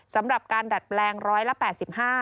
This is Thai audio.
สำหรับการดัดแปลง๑๘๕๐๐๐บาท